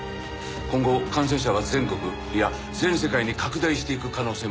今後感染者が全国いや全世界に拡大していく可能性もある。